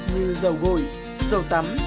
như dầu gội dầu tắm